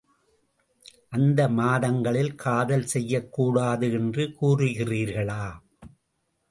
அந்த மாதங்களில் காதல் செய்யக் கூடாது என்று கூறுகிறீர்களா?